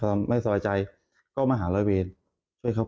ที่ป่วยจะต้องไปหาร่วงบ้าน